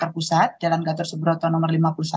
pusat jalan gatot subroto nomor lima puluh satu